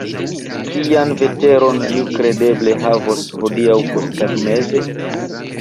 Kian veteron ni kredeble havos hodiaŭ posttagmeze?